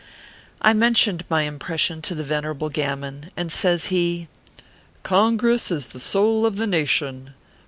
I mentioned my impression to the Venerable Gam mon., and says he :" Congress is the soul of the nation.